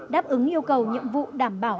đáp ứng yêu cầu nhiệm vụ đảm bảo